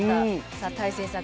さあ大聖さん